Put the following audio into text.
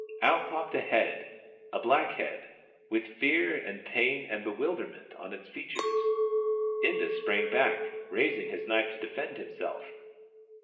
Out popped a head — a black head, with fear and pain and bewilderment on its features. Inda sprang back, raising his knife to defend himself.